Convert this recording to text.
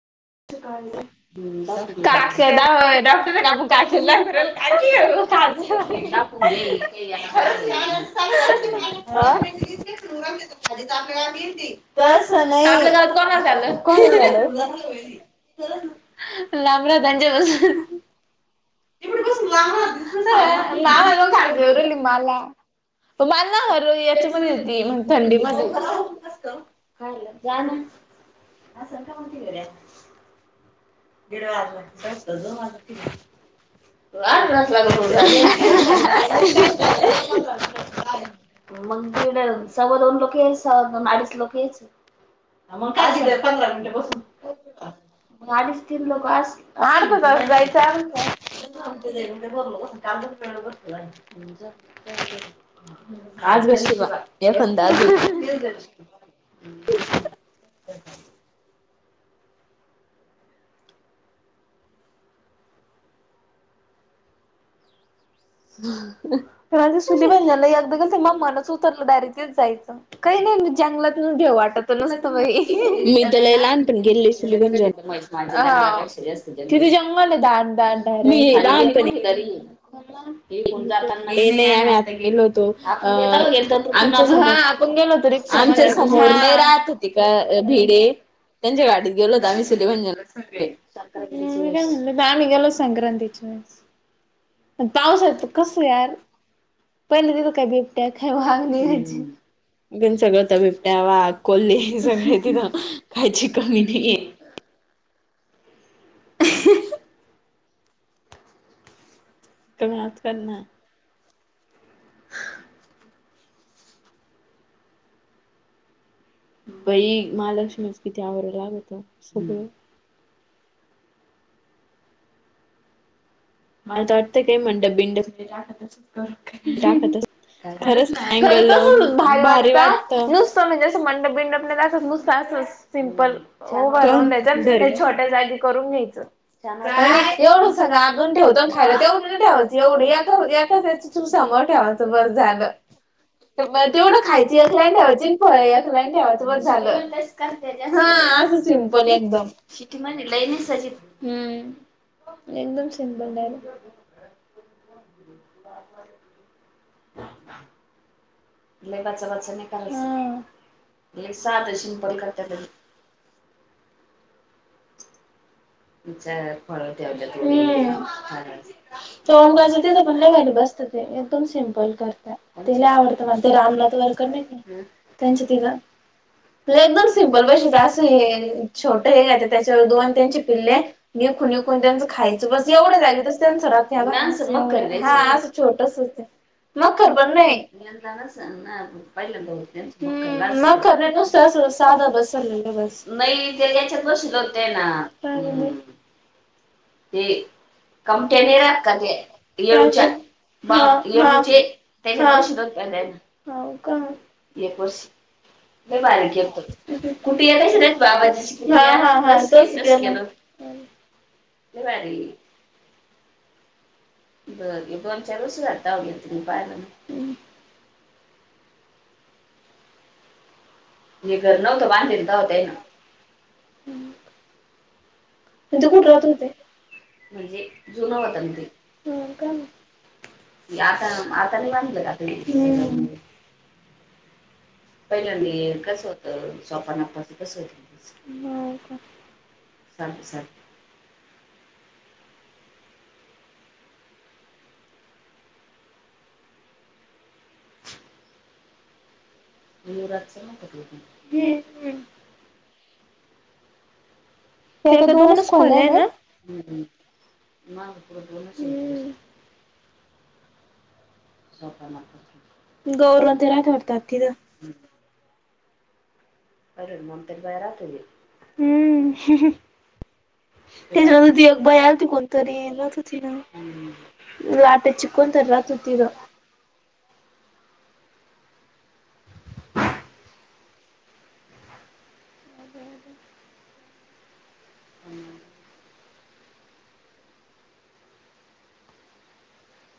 ते काय हे? हम्म. आक्षदा डॉक्टर ला पण दाखवला एक की काकी ला. होय केला ना हो. आ? त्यावेळेस नाही. काय होऊन राहिले. लांब रहा त्यांच्या पासून. ते कुठ लांब लांब त्यांचे वरून लांब रहा. म्हणलं आणला का रुई ह्याची पण येती थंडीमधी. त कारल्यात जा ना. अस कौन केलेल्या. दीड वाजला. चल तर जाऊ आता तिला. [unintelligible] मग दीड, सव्वा दोन ला केलं की, सव्वा दोन, अडीच ला यायची. मग का दिलं पंधरा मिनिट बसून. मग आलीस. तीन लोक आस. अर्धा तास जायच आनंद हाय. काल दुखतय तस दुखाय लागले. आज लय शिवा द्यायलयास की, [unintelligible] होय का. हम. परवा दिवशीच्या बाजाराला एकंदा गेलता की नाही मधूनच उतरला की, दारिचेच जायचं काही नाही जंगलात घे वाटतं. नसत बाई. हा. तिथ जंगल आहे दाट दाट खाली गेले की मोठे दरी इकडून जाताना माहित नाही. आम्ही आता गेलो होतो. आपण गेलो होतो रिक सगळे जातं होते का एस टी ने. आम्ही गेलो संक्रांतीच्या वेळेस पाऊसाचं कसं यार [inaudible] काय बिबट्या काय वाघ नाही यायची [unintelligible] [unintelligible] [unintelligible] ह बाई महालक्ष्मीचे किती आवरायला लागतं सगळं मला तर वाटतं काय मंडप बिडप बी टाकत असेल, तर खर खरंच खरं तर बाहेर वाटता नुसतं म्हणजे असं मंडप बिंडप नुसत [inaudible] सिंपल [inaudible] भरवून द्यायचं छोट्या जागी करून घ्यायचं एवढं सगळं अज ठेवतो खायला तेवढं ना ठेवायचं [inaudible] संभाळून ठेवायचं झालं तेवढं खायची एक लाईन ठेवायची फळ एक लाईन ठेवायचं बस्स झालं, हां असं सिंपल एकदम सिटी मधी लई [inaudible] हम्म एकदम [unintelligible] हा लई बचा बचा नाही करायचं हं साधं सिंपल करत्यात चार फळं ठेवल्यात हम्म [inaudible] लई भारी बसतात ते एकदम सिंपल करत्या ते लई आवडतं मला रामनाथ वरकर नाही त्यांची तिघं एकदम सिंपल बसवता असे हे छोटे हे त्यांच्यावर दोन त्या पिल्ला निकून निकून त्यांचं खायचं बस एवढ्या जागेत त्यांचं छोटंसंच ते मखर पण नाय, यंदा नसलं ना पहिल्यांदा [inaudible] मखर ने नुस्त असं साधं बसवलं बस्स नाही ते ह्यांच्यात बसवल होतं ते ना आमटी आणि [inaudible] हा हा हा [inaudible] हा हा एक वर्षी लई भारी केलंत कुठं [inaudible] बाबाची तशी केल हा हा लई भारी बरं दोन चार वर्षे झालत [inaudible] हे घर नव्हतं बांधलेले तवा त्यांनी [inaudible] कुठला राहत होते म्हणजे जुनं होतं ते, हो का आता आता नाही बांधलं ठरवून पहिल्यादी कसं हो तर सोपान [inaudible] कसं होतं, सांग सांग युवराजच [inaudible] हम्म हम्म ते एका दोनच खोल्या आहे ना गौरव ते राहती वरती अरे [unintelligible] हम् त्याच्यानंतर ती बाई आलती कोणतरी राहत होती ना लाटची कोण तरी रहात होती, ति अ ह